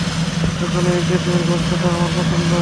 সকালে এই গ্যাসের গন্ধটা আমার পছন্দ।